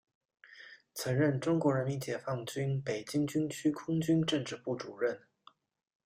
曾任中国人民解放军北京军区空军政治部主任。